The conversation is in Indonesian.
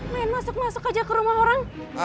main masuk masuk aja ke rumah orang